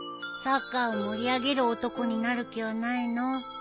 サッカーを盛り上げる男になる気はないの？